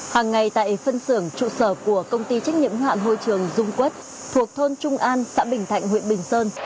hàng ngày tại phân xưởng trụ sở của công ty trách nhiệm hoạn môi trường dung quất thuộc thôn trung an xã bình thạnh huyện bình sơn